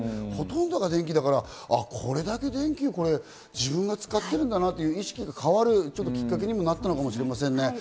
ほとんどが電気だから、これだけ電気を自分が使っているんだなという意識が変わるきっかけにもなったのかもしれませんね。